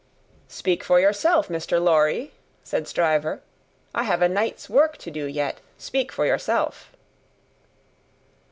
"Speak for yourself, Mr. Lorry," said Stryver; "I have a night's work to do yet. Speak for yourself."